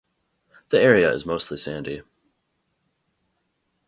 The area is mostly sandy.